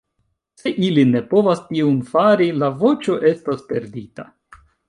Se ili ne povas tiun fari, la voĉo estas perdita.